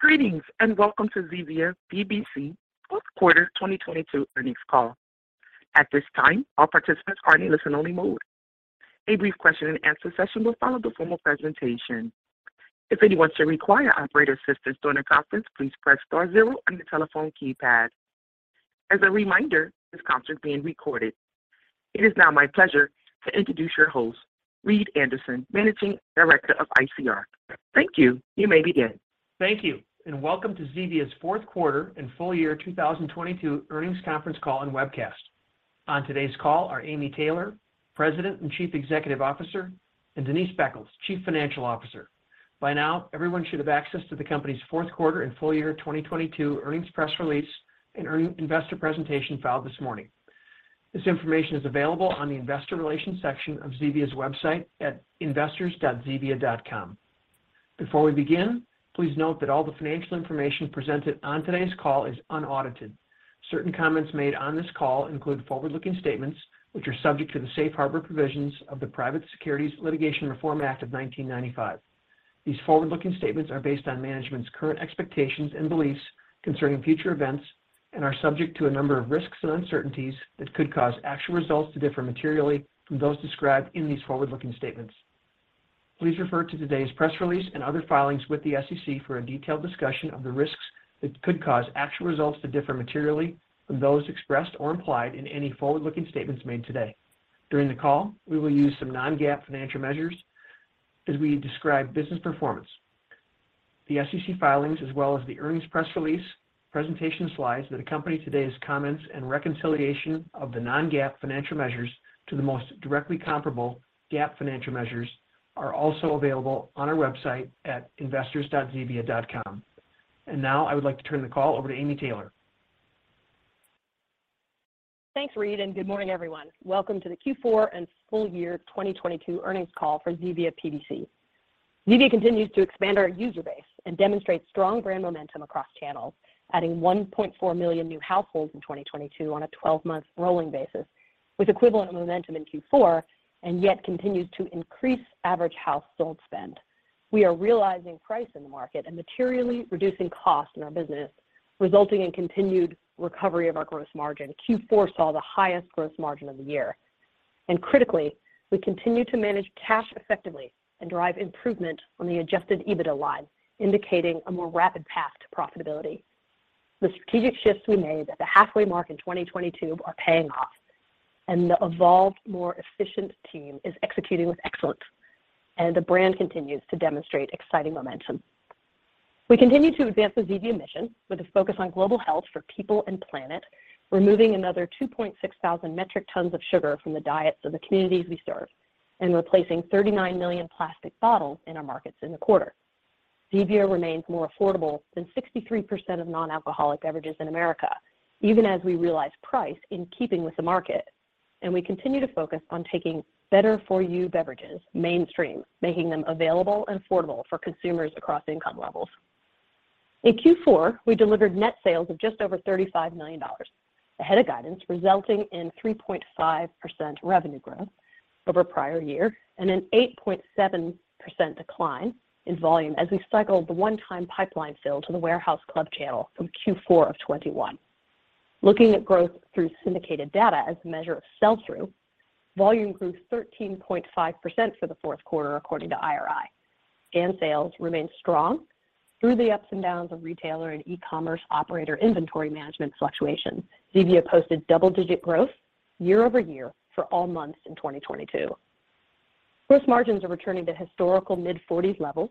Greetings, and welcome to Zevia PBC Q4 2022 earnings call. At this time, all participants are in a listen-only mode. A brief question-and-answer session will follow the formal presentation. If anyone should require operator assistance during the conference, please press star zero on your telephone keypad. As a reminder, this conference is being recorded. It is now my pleasure to introduce your host, Reed Anderson, Managing Director of ICR. Thank you. You may begin. Thank you, and welcome to Zevia's Q4 and full year 2022 earnings conference call and webcast. On today's call are Amy Taylor, President and Chief Executive Officer, and Denise Beckles, Chief Financial Officer. By now, everyone should have access to the company's Q4 and full year 2022 earnings press release and earn investor presentation filed this morning. This information is available on the investor relations section of Zevia's website at investors.zevia.com. Before we begin, please note that all the financial information presented on today's call is unaudited. Certain comments made on this call include forward-looking statements which are subject to the safe harbor provisions of the Private Securities Litigation Reform Act of 1995. These forward-looking statements are based on management's current expectations and beliefs concerning future events and are subject to a number of risks and uncertainties that could cause actual results to differ materially from those described in these forward-looking statements. Please refer to today's press release and other filings with the SEC for a detailed discussion of the risks that could cause actual results to differ materially from those expressed or implied in any forward-looking statements made today. During the call, we will use some non-GAAP financial measures as we describe business performance. The SEC filings as well as the earnings press release, presentation slides that accompany today's comments, and reconciliation of the non-GAAP financial measures to the most directly comparable GAAP financial measures are also available on our website at investors.zevia.com. Now I would like to turn the call over to Amy Taylor. Thanks, Reed, and good morning, everyone. Welcome to the Q4 and full year 2022 earnings call for Zevia PBC. Zevia continues to expand our user base and demonstrates strong brand momentum across channels, adding 1.4 million new households in 2022 on a 12-month rolling basis with equivalent momentum in Q4, and yet continues to increase average household spend. We are realizing price in the market and materially reducing costs in our business, resulting in continued recovery of our gross margin. Q4 saw the highest gross margin of the year. Critically, we continue to manage cash effectively and drive improvement on the adjusted EBITDA line, indicating a more rapid path to profitability. The strategic shifts we made at the halfway mark in 2022 are paying off. The evolved, more efficient team is executing with excellence. The brand continues to demonstrate exciting momentum. We continue to advance the Zevia mission with a focus on global health for people and planet, removing another 2,600 metric tons of sugar from the diets of the communities we serve and replacing 39 million plastic bottles in our markets in the quarter. Zevia remains more affordable than 63% of non-alcoholic beverages in America, even as we realize price in keeping with the market. We continue to focus on taking better for you beverages mainstream, making them available and affordable for consumers across income levels. In Q4, we delivered net sales of just over $35 million ahead of guidance, resulting in 3.5% revenue growth over prior year and an 8.7% decline in volume as we cycled the one-time pipeline sale to the warehouse club channel from Q4 of 2021. Looking at growth through syndicated data as a measure of sell-through, volume grew 13.5% for the Q4 according to IRI. Scan sales remained strong through the ups and downs of retailer and e-commerce operator inventory management fluctuations. Zevia posted double-digit growth year-over-year for all months in 2022. Gross margins are returning to historical mid-40s levels.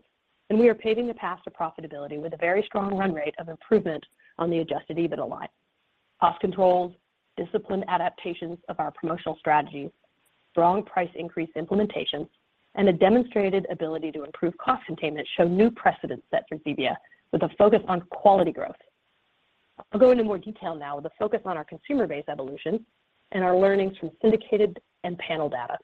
We are paving the path to profitability with a very strong run rate of improvement on the adjusted EBITDA line. Cost controls, disciplined adaptations of our promotional strategies, strong price increase implementation, and a demonstrated ability to improve cost containment show new precedents set for Zevia with a focus on quality growth. I'll go into more detail now with a focus on our consumer base evolution and our learnings from syndicated and panel data.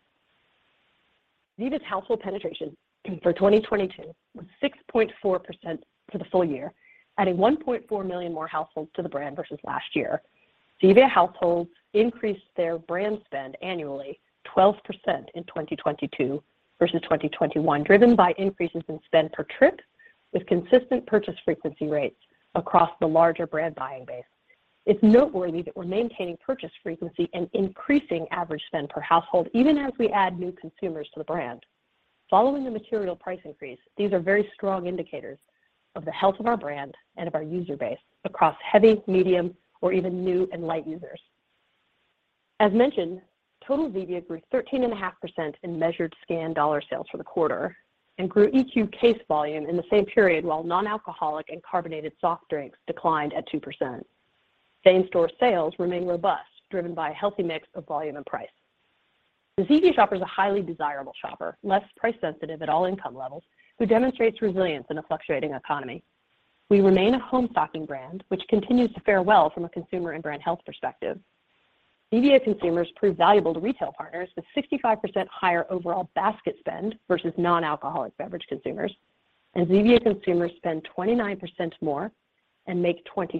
Zevia's household penetration for 2022 was 6.4% for the full year, adding 1.4 million more households to the brand versus last year. Zevia households increased their brand spend annually 12% in 2022 versus 2021, driven by increases in spend per trip with consistent purchase frequency rates across the larger brand buying base. It's noteworthy that we're maintaining purchase frequency and increasing average spend per household even as we add new consumers to the brand. Following the material price increase, these are very strong indicators of the health of our brand and of our user base across heavy, medium, or even new and light users. As mentioned, total Zevia grew 13.5% in measured scan dollar sales for the quarter and grew equivalized case volume in the same period while non-alcoholic and carbonated soft drinks declined at 2%. Same-store sales remain robust, driven by a healthy mix of volume and price. The Zevia shopper is a highly desirable shopper, less price sensitive at all income levels, who demonstrates resilience in a fluctuating economy. We remain a home-stocking brand, which continues to fare well from a consumer and brand health perspective. Zevia consumers prove valuable to retail partners, with 65% higher overall basket spend versus non-alcoholic beverage consumers, and Zevia consumers spend 29% more and make 26%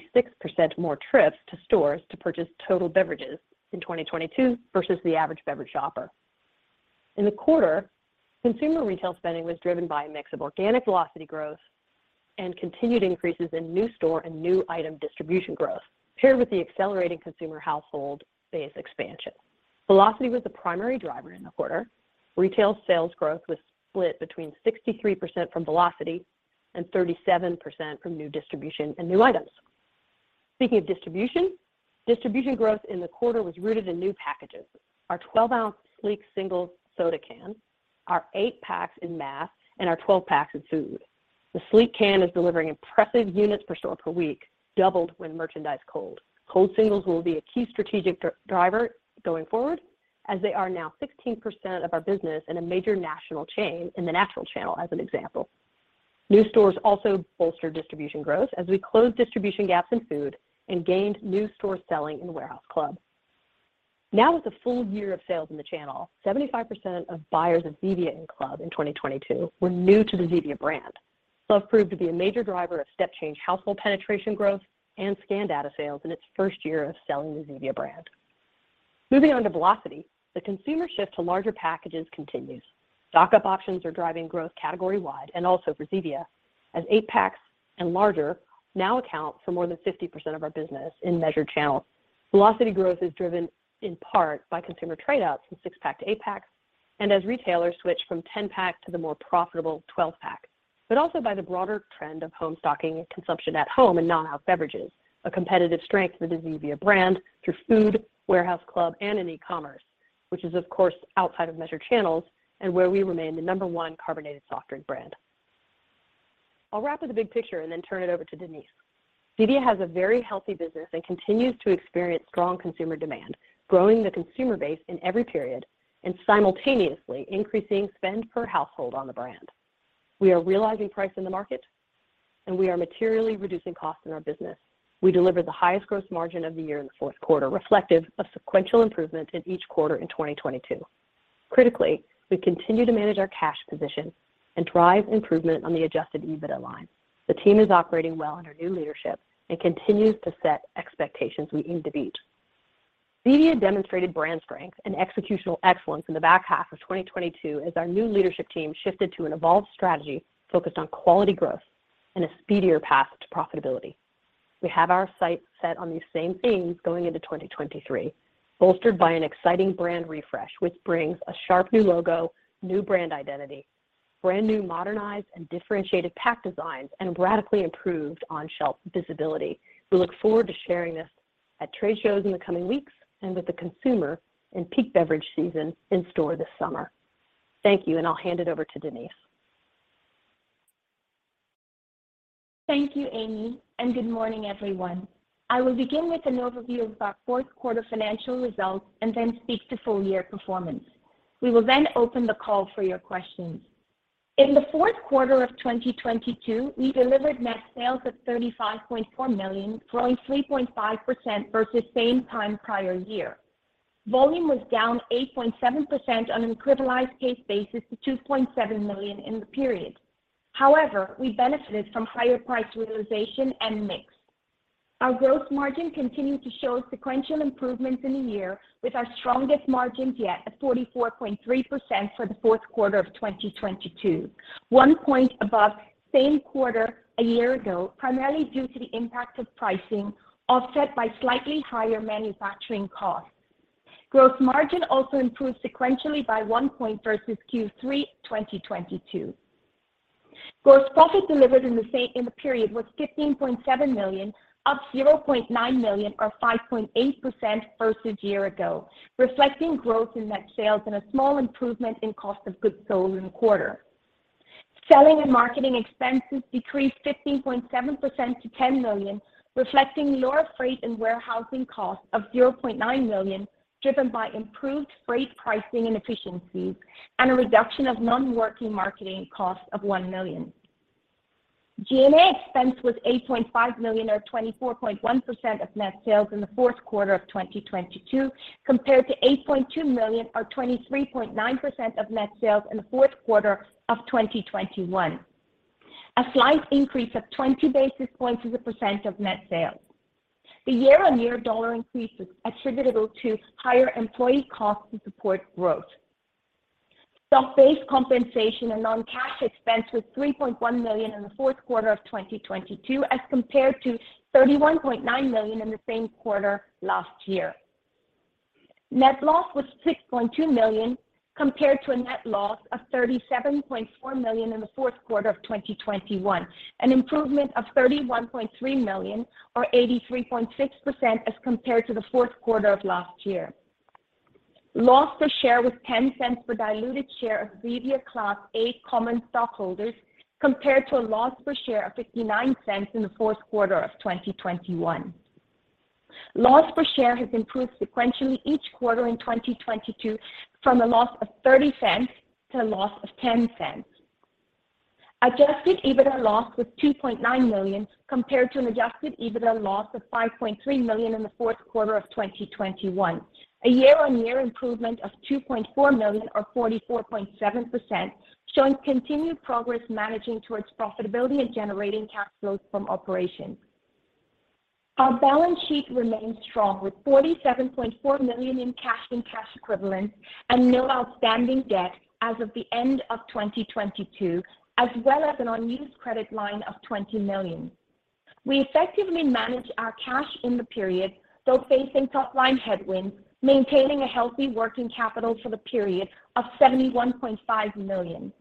more trips to stores to purchase total beverages in 2022 versus the average beverage shopper. In the quarter, consumer retail spending was driven by a mix of organic velocity growth and continued increases in new store and new item distribution growth, paired with the accelerating consumer household base expansion. Velocity was the primary driver in the quarter. Retail sales growth was split between 63% from velocity and 37% from new distribution and new items. Speaking of distribution growth in the quarter was rooted in new packages. Our 12-ounce sleek single soda can, our eight-packs in mass, and our 12-packs in food. The sleek can is delivering impressive units per store per week, doubled when merchandise cold. Cold singles will be a key strategic driver going forward as they are now 16% of our business in a major national chain, in the natural channel as an example. New stores also bolster distribution growth as we closed distribution gaps in food and gained new store selling in warehouse club. With a full year of sales in the channel, 75% of buyers of Zevia in club in 2022 were new to the Zevia brand. It proved to be a major driver of step change household penetration growth and scan data sales in its first year of selling the Zevia brand. Moving on to velocity, the consumer shift to larger packages continues. Stock-up options are driving growth category-wide and also for Zevia as eight-packs and larger now account for more than 50% of our business in measured channels. Velocity growth is driven in part by consumer trade-outs from 6-pack to 8-packs and as retailers switch from 10-pack to the more profitable 12-pack, but also by the broader trend of home stocking consumption at home and now out beverages, a competitive strength for the Zevia brand through food, warehouse club, and in e-commerce, which is of course, outside of measured channels and where we remain the number 1 carbonated soft drink brand. I'll wrap with the big picture and then turn it over to Denise. Zevia has a very healthy business and continues to experience strong consumer demand, growing the consumer base in every period and simultaneously increasing spend per household on the brand. We are realizing price in the market, and we are materially reducing costs in our business. We delivered the highest gross margin of the year in the Q4, reflective of sequential improvement in each quarter in 2022. Critically, we continue to manage our cash position and drive improvement on the adjusted EBITDA line. The team is operating well under new leadership and continues to set expectations we aim to beat. Zevia demonstrated brand strength and executional excellence in the back half of 2022 as our new leadership team shifted to an evolved strategy focused on quality growth and a speedier path to profitability. We have our sights set on these same things going into 2023, bolstered by an exciting brand refresh, which brings a sharp new logo, new brand identity, brand-new modernized and differentiated pack designs, and radically improved on-shelf visibility. We look forward to sharing this at trade shows in the coming weeks and with the consumer in peak beverage season in store this summer. Thank you, and I'll hand it over to Denise. Thank you, Amy. Good morning, everyone. I will begin with an overview of our Q4 financial results and then speak to full year performance. We will open the call for your questions. In the Q4 of 2022, we delivered net sales of $35.4 million, growing 3.5% versus same time prior year. Volume was down 8.7% on an equivalized case basis to 2.7 million in the period. However, we benefited from higher price realization and mix. Our gross margin continued to show sequential improvements in the year with our strongest margins yet at 44.3% for the Q4 of 2022, 1 point above same quarter a year ago, primarily due to the impact of pricing, offset by slightly higher manufacturing costs. Gross margin also improved sequentially by 1 point versus Q3 2022. Gross profit delivered in the period was $15.7 million, up $0.9 million or 5.8% versus year ago, reflecting growth in net sales and a small improvement in cost of goods sold in the quarter. Selling and marketing expenses decreased 15.7% to $10 million, reflecting lower freight and warehousing costs of $0.9 million, driven by improved freight pricing and efficiencies and a reduction of non-working marketing costs of $1 million. G&A expense was $8.5 million or 24.1% of net sales in the Q4 of 2022 compared to $8.2 million or 23.9% of net sales in the Q4 of 2021. A slight increase of 20 basis points as a percent of net sales. The year-on-year dollar increase was attributable to higher employee costs to support growth. Stock-based compensation and non-cash expense was $3.1 million in the Q4 of 2022 as compared to $31.9 million in the same quarter last year. Net loss was $6.2 million compared to a net loss of $37.4 million in the Q4 of 2021, an improvement of $31.3 million or 83.6% as compared to the Q4 of last year. Loss per share was $0.10 per diluted share of Zevia Class A common stockholders compared to a loss per share of $0.59 in the Q4 of 2021. Loss per share has improved sequentially each quarter in 2022 from a loss of $0.30 to a loss of $0.10. Adjusted EBITDA loss was $2.9 million compared to an adjusted EBITDA loss of $5.3 million in the Q4 of 2021. A year-over-year improvement of $2.4 million or 44.7%, showing continued progress managing towards profitability and generating cash flows from operations. Our balance sheet remains strong with $47.4 million in cash and cash equivalents and no outstanding debt as of the end of 2022, as well as an unused credit line of $20 million. We effectively manage our cash in the period, though facing top line headwinds, maintaining a healthy working capital for the period of $71.5 million.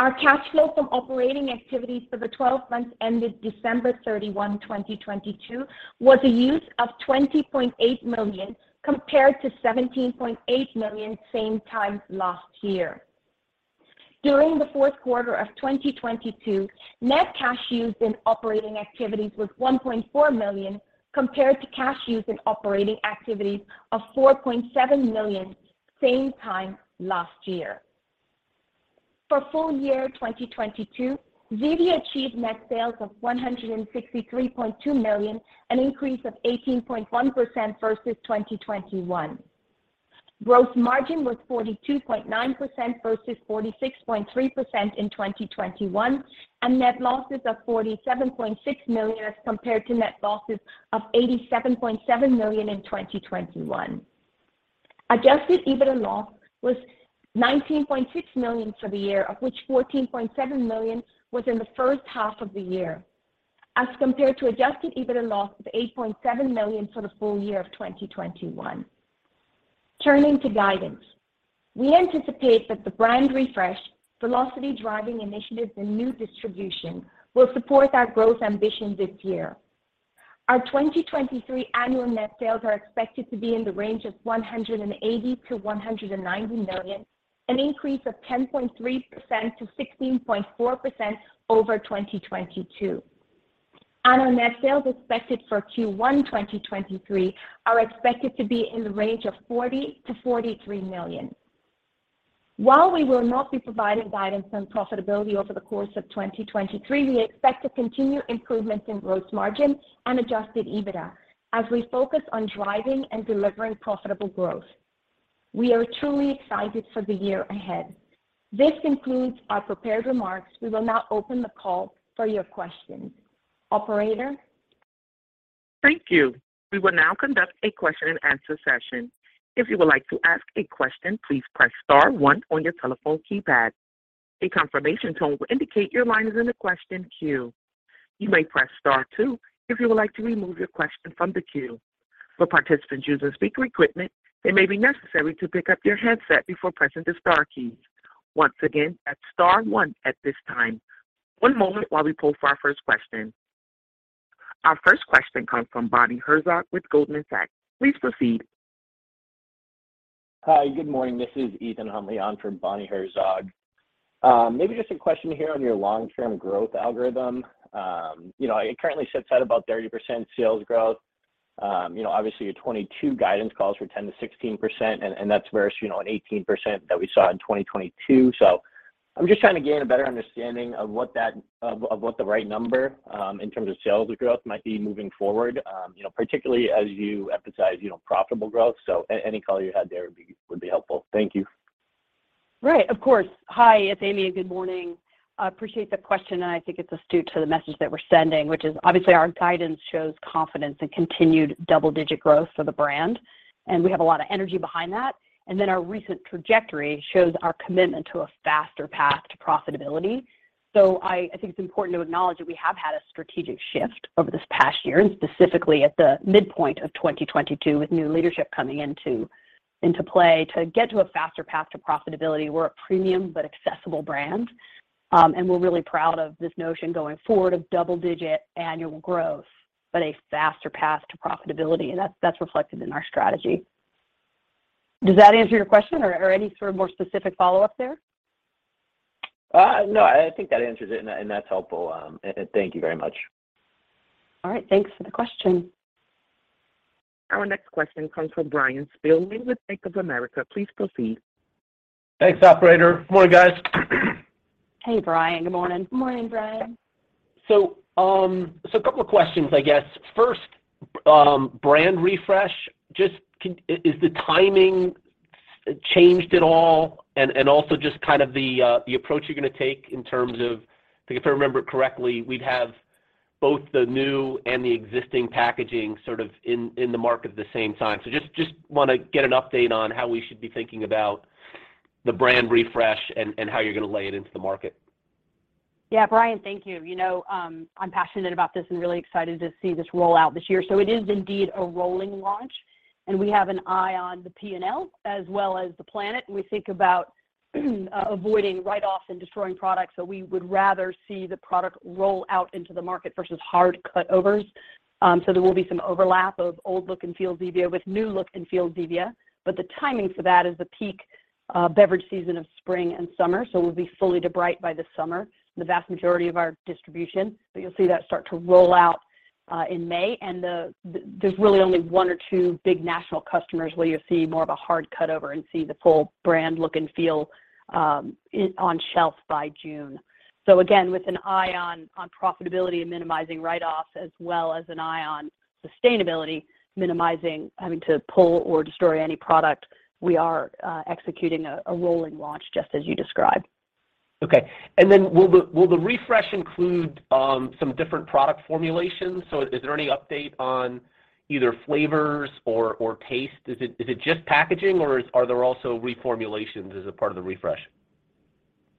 Our cash flow from operating activities for the 12 months ended December 31, 2022 was a use of $20.8 million, compared to $17.8 million same time last year. During the Q4 of 2022, net cash used in operating activities was $1.4 million, compared to cash used in operating activities of $4.7 million same time last year. For full year 2022, Zevia achieved net sales of $163.2 million, an increase of 18.1% versus 2021. Gross margin was 42.9% versus 46.3% in 2021, and net losses of $47.6 million as compared to net losses of $87.7 million in 2021. Adjusted EBITDA loss was $19.6 million for the year, of which $14.7 million was in the H1 of the year, as compared to adjusted EBITDA loss of $8.7 million for the full year of 2021. Turning to guidance. We anticipate that the brand refresh, velocity driving initiatives, and new distribution will support our growth ambition this year. Our 2023 annual net sales are expected to be in the range of $180 million-$190 million, an increase of 10.3%-16.4% over 2022. Our net sales expected for Q1 2023 are expected to be in the range of $40 million-$43 million. While we will not be providing guidance on profitability over the course of 2023, we expect to continue improvements in gross margin and adjusted EBITDA as we focus on driving and delivering profitable growth. We are truly excited for the year ahead. This concludes our prepared remarks. We will now open the call for your questions. Operator? Thank you. We will now conduct a question and answer session. If you would like to ask a question, please press star one on your telephone keypad. A confirmation tone will indicate your line is in the question queue. You may press star two if you would like to remove your question from the queue. For participants using speaker equipment, it may be necessary to pick up your headset before pressing the star keys. Once again, that's star one at this time. One moment while we poll for our first question. Our first question comes from Bonnie Herzog with Goldman Sachs. Please proceed. Hi, good morning. This is Ethan Huntley on for Bonnie Herzog. Maybe just a question here on your long-term growth algorithm., it currently sits at about 30% sales growth., obviously your 2022 guidance calls for 10%-16%, and that's versus an 18% that we saw in 2022. I'm just trying to gain a better understanding of what the right number, in terms of sales growth might be moving forward particularly as you emphasize profitable growth. Any color you had there would be helpful. Thank you. Right. Of course. Hi, it's Amy. Good morning. I appreciate the question. I think it's astute to the message that we're sending, which is obviously our guidance shows confidence and continued double-digit growth for the brand, and we have a lot of energy behind that. Our recent trajectory shows our commitment to a faster path to profitability. I think it's important to acknowledge that we have had a strategic shift over this past year, and specifically at the midpoint of 2022 with new leadership coming into play to get to a faster path to profitability. We're a premium but accessible brand, and we're really proud of this notion going forward of double-digit annual growth, but a faster path to profitability. That's reflected in our strategy. Does that answer your question or any sort of more specific follow-up there? No, I think that answers it, and that's helpful. Thank you very much. All right. Thanks for the question. Our next question comes from Bryan Spillane with Bank of America. Please proceed. Thanks, operator. Morning, guys. Hey, Brian. Good morning. Good morning, Bryan. A couple of questions, I guess. First, brand refresh, is the timing changed at all? Also, just kind of the approach you're gonna take in terms of, if I remember correctly, we'd have both the new and the existing packaging sort of in the market at the same time? Just wanna get an update on how we should be thinking about the brand refresh and how you're gonna lay it into the market. Bryan, thank you., I'm passionate about this and really excited to see this roll out this year. It is indeed a rolling launch, and we have an eye on the P&L as well as the planet. We think about avoiding write-offs and destroying products. We would rather see the product roll out into the market versus hard cutovers. There will be some overlap of old look-and-feel Zevia with new look-and-feel Zevia, but the timing for that is the peak beverage season of spring and summer. We'll be fully to bright by the summer, the vast majority of our distribution. You'll see that start to roll out in May. There's really only one or two big national customers where you'll see more of a hard cutover and see the full brand look and feel on shelf by June. Again, with an eye on profitability and minimizing write-offs as well as an eye on sustainability, minimizing having to pull or destroy any product, we are executing a rolling launch, just as you described. Okay. Then will the refresh include some different product formulations? Is there any update on either flavors or taste? Is it just packaging or are there also reformulations as a part of the refresh?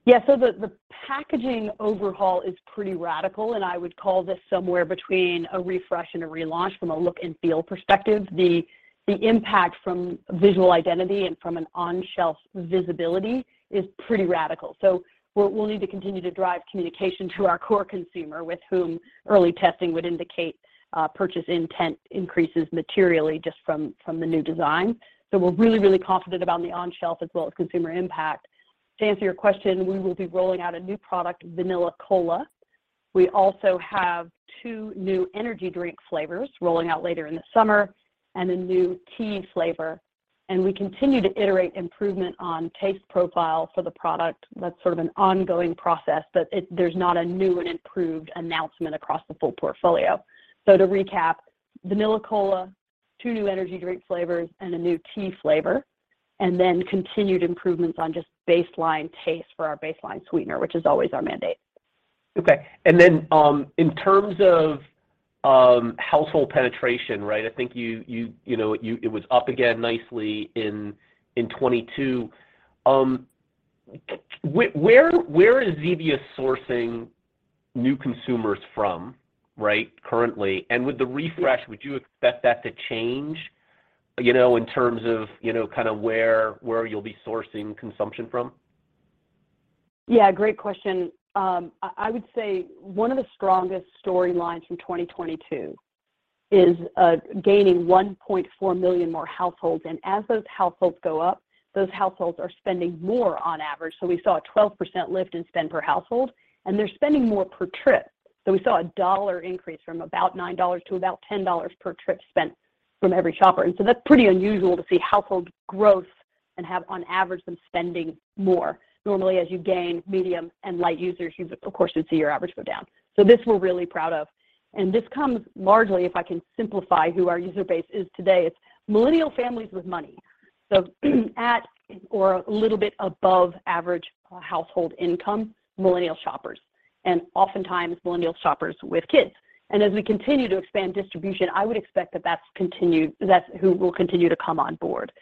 Yeah. The packaging overhaul is pretty radical, and I would call this somewhere between a refresh and a relaunch from a look and feel perspective. The impact from visual identity and from an on-shelf visibility is pretty radical. We'll need to continue to drive communication to our core consumer with whom early testing would indicate purchase intent increases materially just from the new design. We're really confident about the on-shelf as well as consumer impact. To answer your question, we will be rolling out a new product, Vanilla Cola. We also have two new energy drink flavors rolling out later in the summer and a new tea flavor, and we continue to iterate improvement on taste profile for the product. That's sort of an ongoing process. There's not a new and improved announcement across the full portfolio. To recap, Vanilla Cola, two new energy drink flavors, and a new tea flavor, and then continued improvements on just baseline taste for our baseline sweetener, which is always our mandate. Okay. In terms of household penetration, right? I think, it was up again nicely in 2022. Where is Zevia sourcing new consumers from, right, currently? With the refresh, would you expect that to change in terms of kind of where you'll be sourcing consumption from? Yeah, great question. I would say one of the strongest storylines from 2022 is gaining 1.4 million more households. As those households go up, those households are spending more on average. We saw a 12% lift in spend per household, and they're spending more per trip. We saw a dollar increase from about $9 to about $10 per trip spent from every shopper. That's pretty unusual to see household growth and have on average them spending more. Normally, as you gain medium and light users, you of course would see your average go down. This we're really proud of, and this comes largely, if I can simplify who our user base is today, it's millennial families with money. At or a little bit above average household income, millennial shoppers, and oftentimes millennial shoppers with kids. As we continue to expand distribution, I would expect that's who will continue to come on board.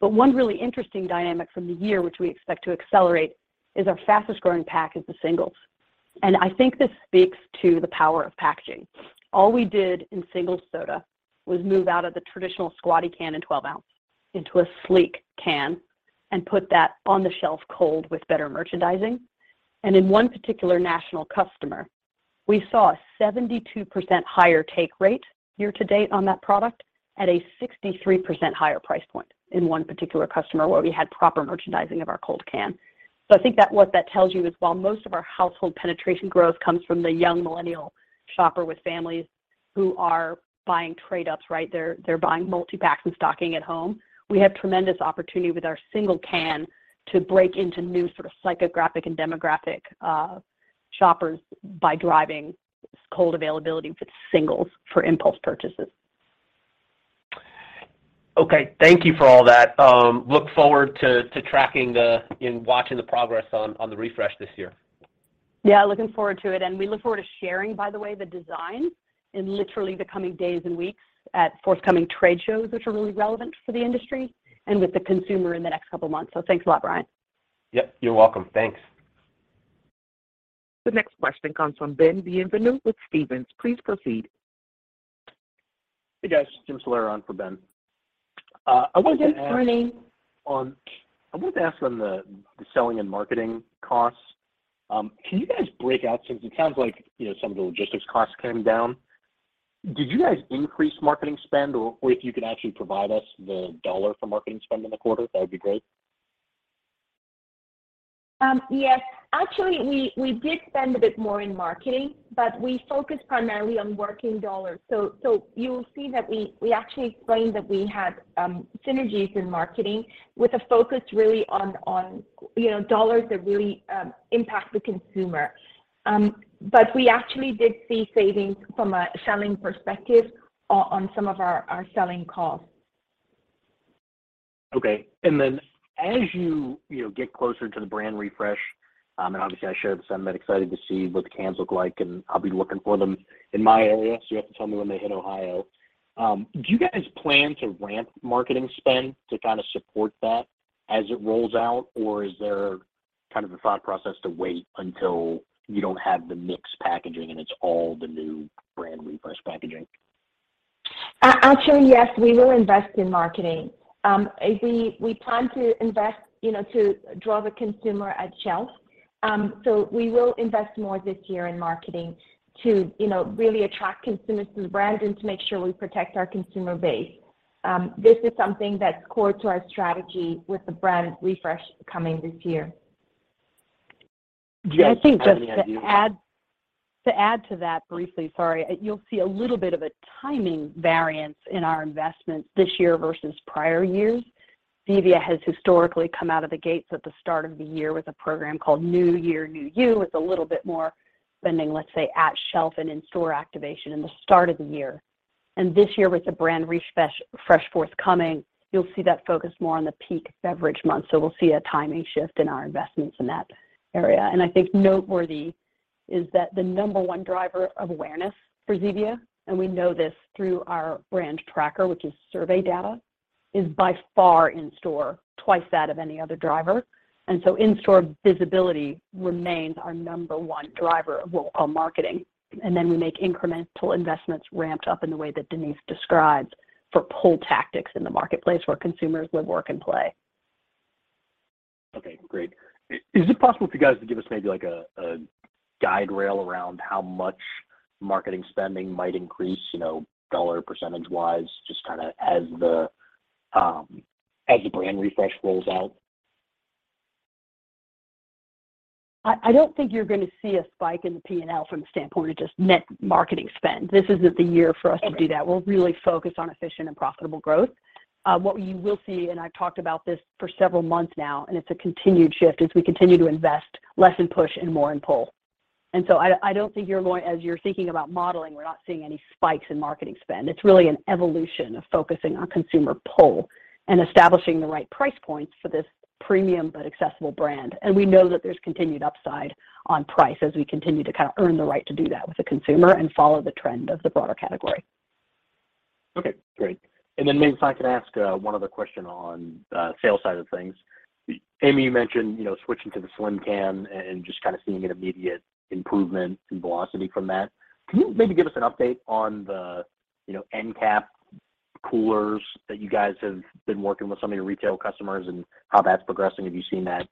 One really interesting dynamic from the year, which we expect to accelerate, is our fastest growing pack is the singles. I think this speaks to the power of packaging. All we did in singles soda was move out of the traditional squatty can in 12 ounce into a sleek can and put that on the shelf cold with better merchandising. In one particular national customer, we saw a 72% higher take rate year to date on that product at a 63% higher price point in one particular customer where we had proper merchandising of our cold can. I think that what that tells you is while most of our household penetration growth comes from the young millennial shopper with families who are buying trade-ups, right? They're buying multi-packs and stocking at home. We have tremendous opportunity with our single can to break into new sort of psychographic and demographic shoppers by driving cold availability for singles for impulse purchases. Okay. Thank you for all that. look forward to tracking the... and watching the progress on the refresh this year. Yeah, looking forward to it. We look forward to sharing, by the way, the design in literally the coming days and weeks at forthcoming trade shows which are really relevant for the industry and with the consumer in the next couple of months. Thanks a lot, Bryan. Yep. You're welcome. Thanks. The next question comes from Ben Bienvenu with Stephens. Please proceed. Hey, guys. Jim Salera on for Ben. Hi, Jim. Morning. I wanted to ask on the selling and marketing costs, can you guys break out since it sounds like some of the logistics costs came down. Did you guys increase marketing spend? Or if you could actually provide us the dollar for marketing spend in the quarter, that would be great. Yes. Actually, we did spend a bit more in marketing, but we focused primarily on working dollars. You'll see that we actually explained that we had synergies in marketing with a focus really on dollars that really impact the consumer. We actually did see savings from a selling perspective on some of our selling costs. As, get closer to the brand refresh, and obviously I share the sentiment, excited to see what the cans look like, and I'll be looking for them in my area, so you have to tell me when they hit Ohio. Do you guys plan to ramp marketing spend to kind of support that as it rolls out? Or is there kind of a thought process to wait until you don't have the mixed packaging and it's all the new brand refresh packaging? Actually, yes, we will invest in marketing. We plan to invest to draw the consumer at shelf. We will invest more this year in marketing to really attract consumers to the brand and to make sure we protect our consumer base. This is something that's core to our strategy with the brand refresh coming this year. Do you guys have any idea? I think just to add to that briefly, sorry. You'll see a little bit of a timing variance in our investments this year versus prior years. Zevia has historically come out of the gates at the start of the year with a program called New Year New You. It's a little bit more spending, let's say, at shelf and in-store activation in the start of the year. This year with the brand refresh, fresh forthcoming, you'll see that focus more on the peak beverage month. We'll see a timing shift in our investments in that area. I think noteworthy is that the number one driver of awareness for Zevia, and we know this through our brand tracker, which is survey data, is by far in store twice that of any other driver. In-store visibility remains our number one driver of all marketing. We make incremental investments ramped up in the way that Denise describes for pull tactics in the marketplace where consumers live, work, and play. Okay, great. Is it possible for you guys to give us maybe like a guide rail around how much marketing spending might increase dollar % wise, just kinda as the brand refresh rolls out? I don't think you're gonna see a spike in the P&L from the standpoint of just net marketing spend. This isn't the year for us to do that. We're really focused on efficient and profitable growth. What you will see, and I've talked about this for several months now, and it's a continued shift, is we continue to invest less in push and more in pull. I don't think, as you're thinking about modeling, we're not seeing any spikes in marketing spend. It's really an evolution of focusing on consumer pull and establishing the right price points for this premium, but accessible brand. We know that there's continued upside on price as we continue to kind of earn the right to do that with the consumer and follow the trend of the broader category. Okay, great. Maybe if I could ask, one other question on sales side of things. Amy, you mentioned switching to the slim can and just kind of seeing an immediate improvement in velocity from that. Can you maybe give us an update on the end cap coolers that you guys have been working with some of your retail customers and how that's progressing? Have you seen that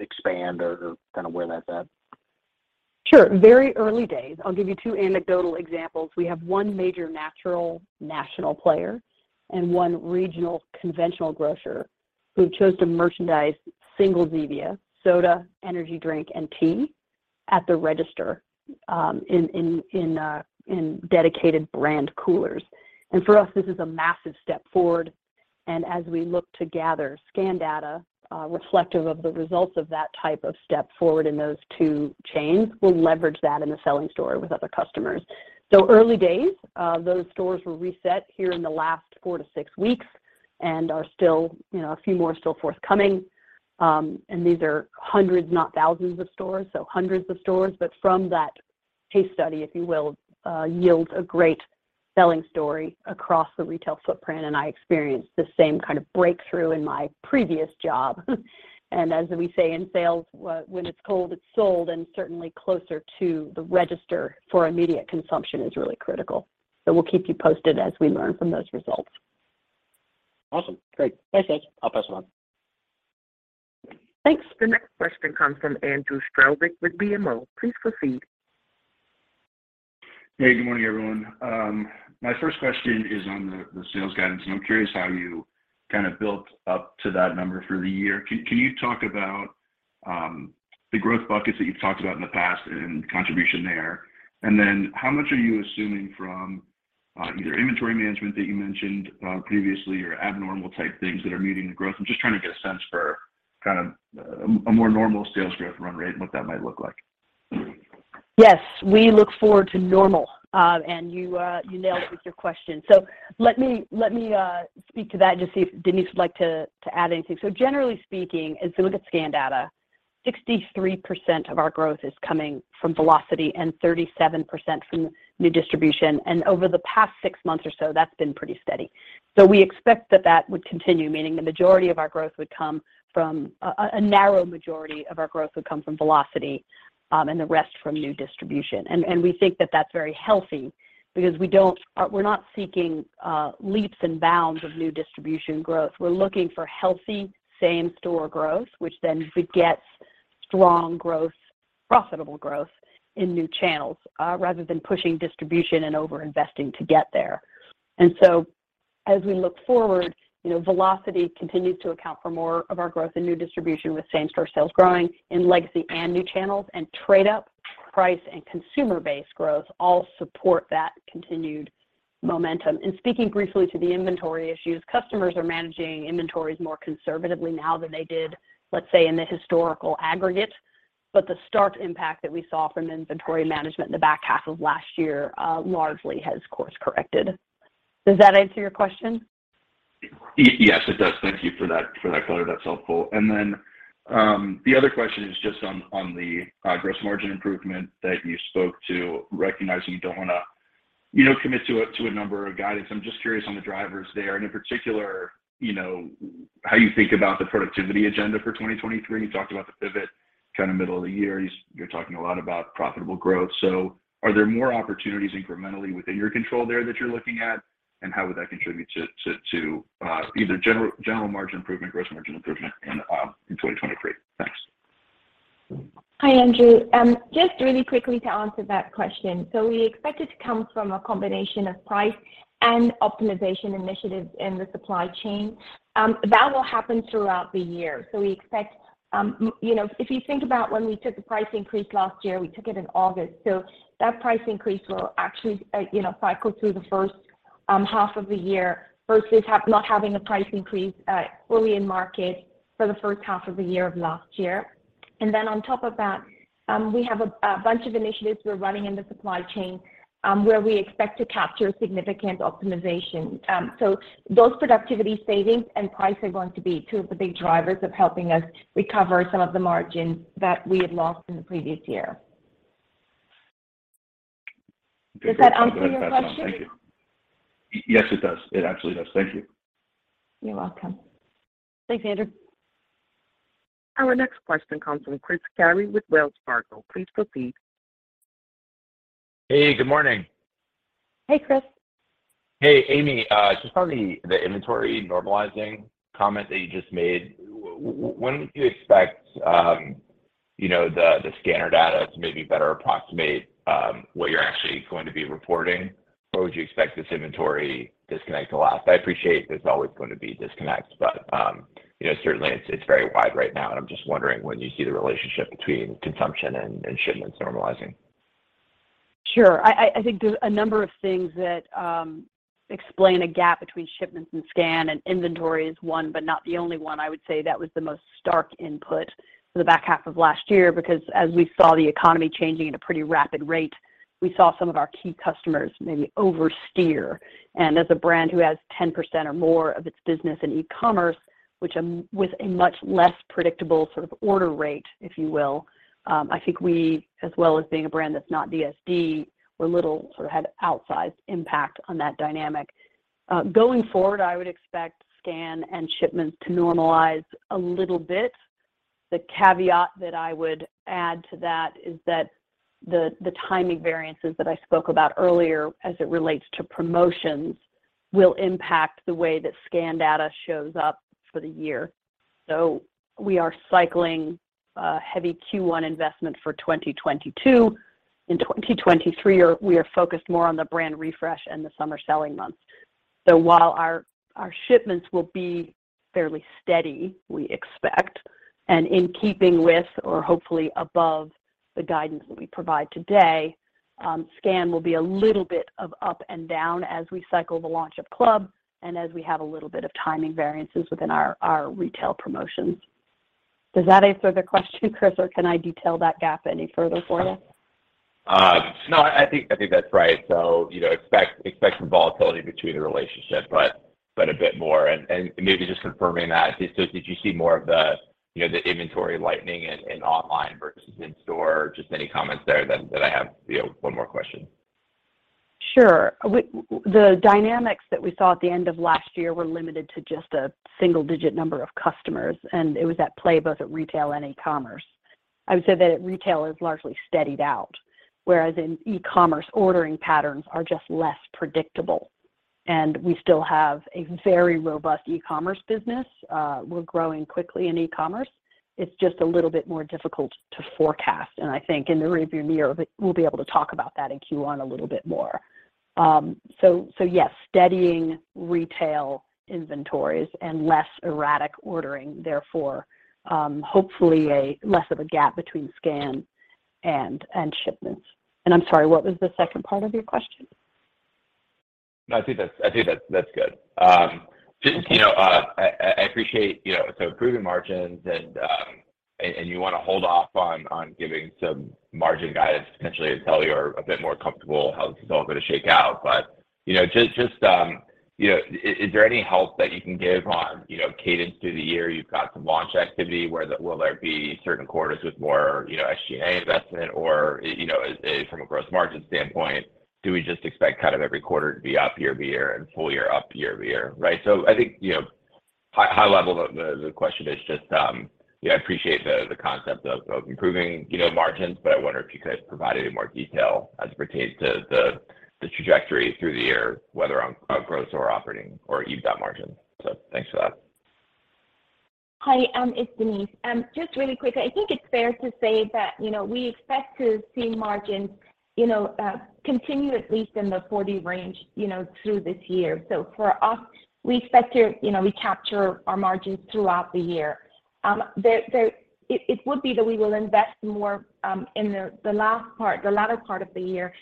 expand or kind of where that's at? Sure. Very early days. I'll give you two anecdotal examples. We have one major natural national player and one regional conventional grocer who chose to merchandise single Zevia soda, energy drink, and tea at the register in dedicated brand coolers. For us, this is a massive step forward, and as we look to gather scan data, reflective of the results of that type of step forward in those two chains, we'll leverage that in the selling story with other customers. Early days, those stores were reset here in the last four to six weeks and are still a few more still forthcoming. These are hundreds, not thousands of stores, so hundreds of stores, but from that case study, if you will, yield a great selling story across the retail footprint. I experienced the same kind of breakthrough in my previous job. As we say in sales, when it's cold, it's sold, and certainly closer to the register for immediate consumption is really critical. We'll keep you posted as we learn from those results. Awesome. Great. Thanks, guys. I'll pass them on. Thanks. The next question comes from Andrew Strelzik with BMO. Please proceed. Hey, good morning, everyone. My first question is on the sales guidance. I'm curious how you kind of built up to that number for the year. Can you talk about the growth buckets that you've talked about in the past and contribution there? How much are you assuming from either inventory management that you mentioned previously or abnormal type things that are meeting the growth? I'm just trying to get a sense for kind of a more normal sales growth run rate and what that might look like. Yes, we look forward to normal. You nailed it with your question. Let me speak to that, just see if Denise would like to add anything. Generally speaking, as we look at scan data, 63% of our growth is coming from velocity and 37% from new distribution. Over the past six months or so, that's been pretty steady. We expect that that would continue, meaning a narrow majority of our growth would come from velocity, and the rest from new distribution. We think that that's very healthy because we're not seeking leaps and bounds of new distribution growth. We're looking for healthy same store growth, which then begets strong growth, profitable growth in new channels, rather than pushing distribution and over-investing to get there. As we look forward velocity continues to account for more of our growth and new distribution with same store sales growing in legacy and new channels, and trade up price and consumer-based growth all support that continued momentum. Speaking briefly to the inventory issues, customers are managing inventories more conservatively now than they did, let's say, in the historical aggregate, but the stark impact that we saw from inventory management in the back half of last year, largely has course corrected. Does that answer your question? Yes, it does. Thank you for that, for that color. That's helpful. The other question is just on the gross margin improvement that you spoke to, recognizing you don't wanna commit to a, to a number or a guidance. I'm just curious on the drivers there and in particular how you think about the productivity agenda for 2023. You talked about the pivot kind of middle of the year. You're talking a lot about profitable growth. Are there more opportunities incrementally within your control there that you're looking at? How would that contribute to, uh, either general margin improvement, gross margin improvement in, uh, in 2023? Thanks. Hi, Andrew. Just really quickly to answer that question. We expect it to come from a combination of price and optimization initiatives in the supply chain. That will happen throughout the year. We expect if you think about when we took the price increase last year, we took it in August. That price increase will actually cycle through the H1 of the year versus not having a price increase fully in market for the H1 of the year of last year. On top of that, we have a bunch of initiatives we're running in the supply chain, where we expect to capture significant optimization. Those productivity savings and price are going to be two of the big drivers of helping us recover some of the margin that we had lost in the previous year. Does that answer your question? Thank you. Yes, it does. It absolutely does. Thank you. You're welcome. Thanks, Andrew. Our next question comes from Chris Carey with Wells Fargo. Please proceed. Hey, good morning. Hey, Chris. Hey, Amy. just on the inventory normalizing comment that you just made, when would you expect the scanner data to maybe better approximate what you're actually going to be reporting? What would you expect this inventory disconnect to last? I appreciate there's always going to be disconnects, but certainly it's very wide right now and I'm just wondering when you see the relationship between consumption and shipments normalizing. Sure. I think there's a number of things that explain a gap between shipments and scan, and inventory is one, but not the only one. I would say that was the most stark input for the back half of last year because as we saw the economy changing at a pretty rapid rate, we saw some of our key customers maybe oversteer. As a brand who has 10% or more of its business in e-commerce, with a much less predictable sort of order rate, if you will, I think we, as well as being a brand that's not DSD, sort of had outsized impact on that dynamic. Going forward, I would expect scan and shipments to normalize a little bit. The caveat that I would add to that is that the timing variances that I spoke about earlier as it relates to promotions will impact the way that scan data shows up for the year. We are cycling a heavy Q1 investment for 2022. In 2023, we are focused more on the brand refresh and the summer selling months. While our shipments will be fairly steady, we expect, and in keeping with or hopefully above the guidance that we provide today, scan will be a little bit of up and down as we cycle the launch of club and as we have a little bit of timing variances within our retail promotions. Does that answer the question, Chris, or can I detail that gap any further for you? No, I think that's right., expect some volatility between the relationship, but a bit more. Maybe just confirming that, did you see more of the the inventory lightening in online versus in store? Just any comments there then I have one more question. Sure. The dynamics that we saw at the end of last year were limited to just a single digit number of customers, and it was at play both at retail and e-commerce. I would say that at retail it's largely steadied out, whereas in e-commerce, ordering patterns are just less predictable. We still have a very robust e-commerce business. We're growing quickly in e-commerce. It's just a little bit more difficult to forecast. I think in the review year, we'll be able to talk about that in Q1 a little bit more. Yes, steadying retail inventories and less erratic ordering, therefore, hopefully a less of a gap between scan and shipments. I'm sorry, what was the second part of your question? No, I think that's good. just I appreciate so improving margins and you wanna hold off on giving some margin guidance potentially until you're a bit more comfortable how this is all gonna shake out., just is there any help that you can give on cadence through the year? You've got some launch activity, will there be certain quarters with more SGA investment or from a gross margin standpoint, do we just expect kind of every quarter to be up year-over-year and full year up year-over-year? Right? I think high level the question is just I appreciate the concept of improving margins, but I wonder if you could provide any more detail as it pertains to the trajectory through the year, whether on gross or operating or EBITDA margins. Thanks for that. Hi, it's Denise. Just really quick, I think it's fair to say that, we expect to see margins continue at least in the 40 range through this year. For us, we expect to recapture our margins throughout the year. It would be that we will invest more in the last part, the latter part of the year,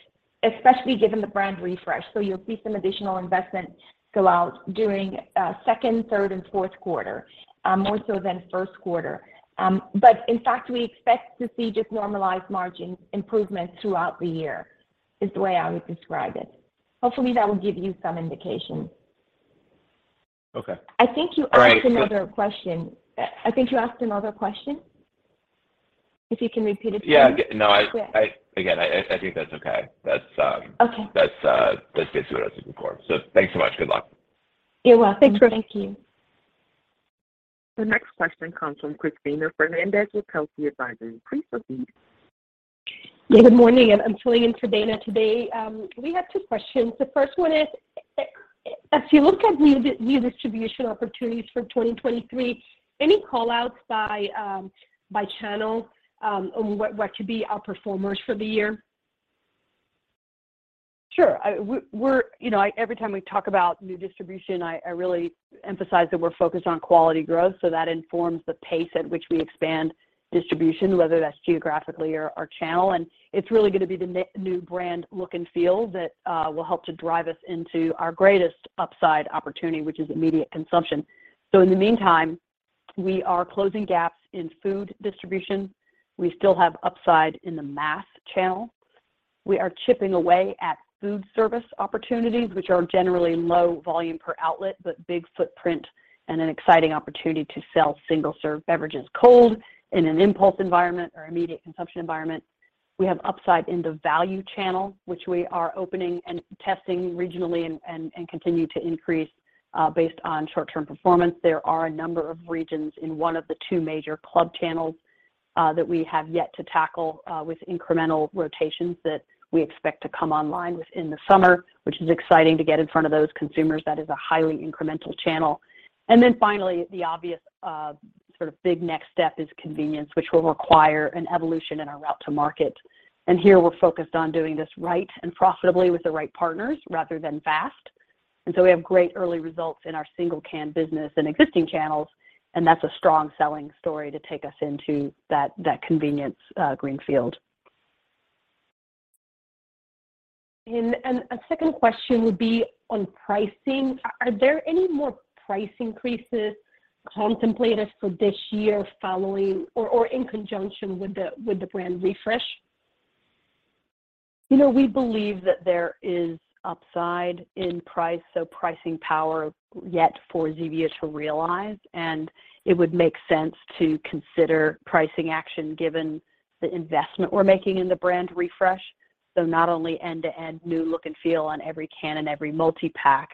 especially given the brand refresh. You'll see some additional investment go out during Q2, Q3, and Q4 more so than Q1. In fact, we expect to see just normalized margin improvements throughout the year is the way I would describe it. Hopefully, that will give you some indication. Okay. I think you asked another question. All right. I think you asked another question. If you can repeat it please. Yeah. No. Yeah I again, I think that's okay. That's. Okay. That's basically what I was looking for. Thanks so much. Good luck. You're welcome. Thank you. Thanks, Christopher. The next question comes from Cristina Fernandez with Telsey Advisory Group. Please proceed. Yeah. Good morning. I'm filling in for Dana today. We have two questions. The first one is, as you look at new distribution opportunities for 2023, any callouts by channel on what should be our performers for the year? Sure. Every time we talk about new distribution, I really emphasize that we're focused on quality growth, so that informs the pace at which we expand distribution, whether that's geographically or channel. It's really gonna be the new brand look and feel that will help to drive us into our greatest upside opportunity, which is immediate consumption. In the meantime, we are closing gaps in food distribution. We still have upside in the mass channel. We are chipping away at food service opportunities, which are generally low volume per outlet, but big footprint and an exciting opportunity to sell single-serve beverages cold in an impulse environment or immediate consumption environment. We have upside in the value channel, which we are opening and testing regionally and continue to increase based on short-term performance. There are a number of regions in one of the two major club channels, that we have yet to tackle, with incremental rotations that we expect to come online within the summer, which is exciting to get in front of those consumers. That is a highly incremental channel. Finally, the obvious, sort of big next step is convenience, which will require an evolution in our route to market. Here, we're focused on doing this right and profitably with the right partners rather than fast. We have great early results in our single can business and existing channels, and that's a strong selling story to take us into that convenience, greenfield. A second question would be on pricing. Are there any more price increases contemplated for this year following or in conjunction with the brand refresh? We believe that there is upside in price, so pricing power yet for Zevia to realize, and it would make sense to consider pricing action given the investment we're making in the brand refresh. Not only end-to-end new look and feel on every can and every multi-pack,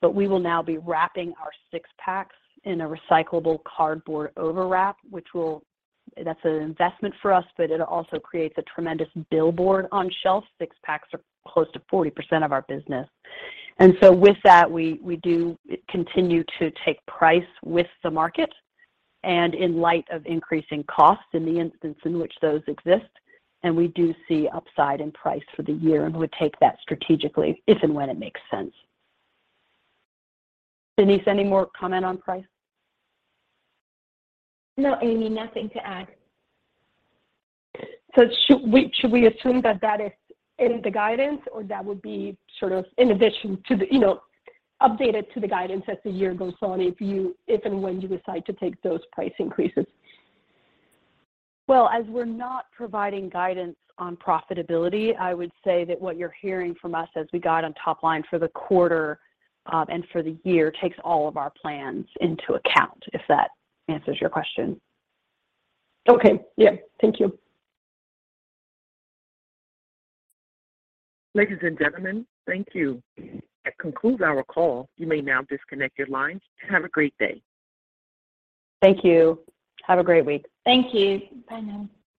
but we will now be wrapping our 6-packs in a recyclable cardboard overwrap, which will. That's an investment for us, but it also creates a tremendous billboard on shelf. 6-packs are close to 40% of our business. With that, we do continue to take price with the market and in light of increasing costs in the instance in which those exist, and we do see upside in price for the year and would take that strategically if and when it makes sense. Denise, any more comment on price? No, Amy, nothing to add. Should we assume that that is in the guidance or that would be sort of in addition to the updated to the guidance as the year goes on if and when you decide to take those price increases? As we're not providing guidance on profitability, I would say that what you're hearing from us as we guide on top line for the quarter, and for the year takes all of our plans into account, if that answers your question. Okay. Yeah. Thank you. Ladies and gentlemen, thank you. That concludes our call. You may now disconnect your lines. Have a great day. Thank you. Have a great week. Thank you. Bye now.